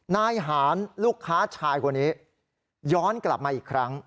นายหารลูกค้าชายคนนี้ย้อนกลับมาอีกครั้ง